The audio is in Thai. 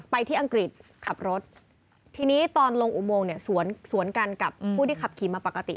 ที่อังกฤษขับรถทีนี้ตอนลงอุโมงเนี่ยสวนสวนกันกับผู้ที่ขับขี่มาปกติ